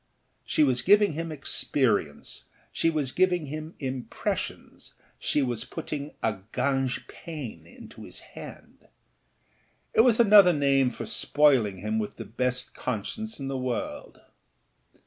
She was giving him experience, she was giving him impressions, she was putting a gagnepain into his hand. It was another name for spoiling him with the best conscience in the world.